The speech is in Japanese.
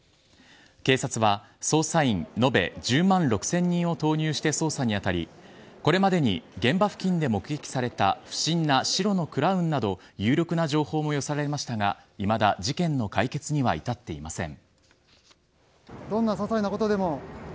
警察は捜査員延べ１０万６０００人を投入して捜査に当たりこれまでに現場付近で目撃された不審な白のクラウンなど有力な情報も寄せられましたがいまだ事件の解決には至っていません。